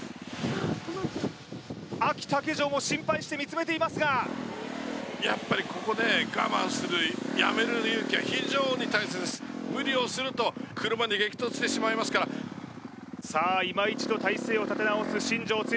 あき竹城も心配して見つめていますがやっぱりここね我慢するやめる勇気は非常に大切です無理をすると車に激突してしまいますからさあいま一度体勢を立て直す新庄剛志